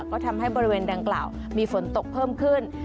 ก็ทำให้บริเวณดังกล่าวมีฝนตกเพิ่มขึ้น